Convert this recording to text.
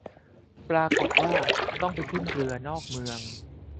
ปรากฎว่าต้องไปขึ้นเรือนอกเมือง